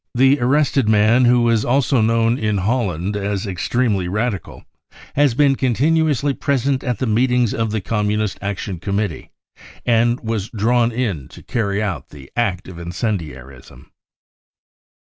The arrested man, who is also known in Holland as extremely radical, has been continuously present at the meetings of the Communist Action Committee and was drawn in to carry out the act of incendiarism.